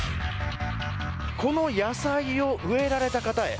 この野菜を植えられた方へ。